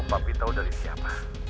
papi tau dari siapa